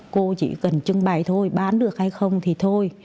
cô chỉ cần trưng bày thôi bán được hay không thì thôi